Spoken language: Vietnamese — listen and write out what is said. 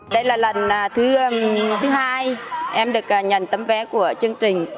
đây là lần thứ hai em được nhận tấm vé của chương trình